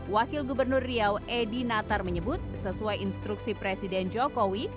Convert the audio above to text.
wakil gubernur riau edi natar menyebut sesuai instruksi presiden jokowi